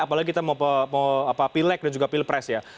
apalagi kita mau pilek dan juga pilpres ya